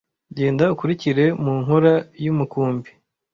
Genda ukurikire mu nkōra y’umukumbi,